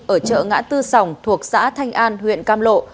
ở chợ ngã tư sòng thuộc xã thanh an huyện cam lộ